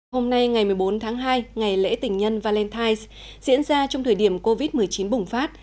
hôm nay ngày một mươi bốn tháng hai ngày lễ tình nhân valentine diễn ra trong thời điểm covid một mươi chín bùng phát